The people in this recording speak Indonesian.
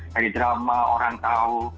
dari drama orang tahu